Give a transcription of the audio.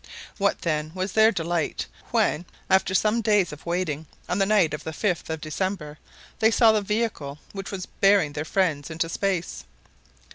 What, then, was their delight when, after some days of waiting, on the night of the 5th of December, they saw the vehicle which was bearing their friends into space!